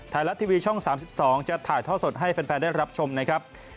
ไทยรัฐทีวีช่อง๓๒จะถ่ายท่อสดให้แฟนได้รับชมนะครับ